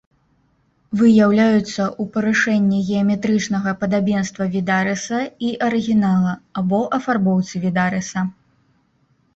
Выяўляюцца ў парушэнні геаметрычнага падабенства відарыса і арыгінала або афарбоўцы відарыса.